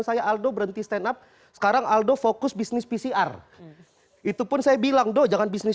saya aldo berhenti stand up sekarang aldo fokus bisnis pcr itu pun saya bilang doh jangan bisnis